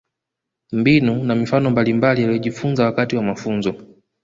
Mbinu na mifano mbalimbali aliyojifunza wakati wa mafunzo